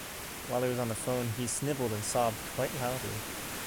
While he was on the phone, he sniveled and sobbed quite loudly.